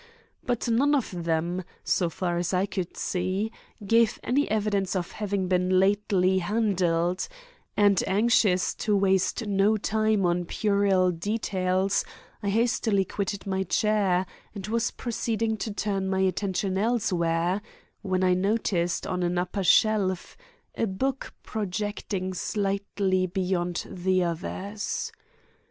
But none of them, so far as I could see, gave any evidence of having been lately handled; and anxious to waste no time on puerile details, I hastily quitted my chair, and was proceeding to turn my attention elsewhere, when I noticed on an upper shelf, a book projecting slightly beyond the others.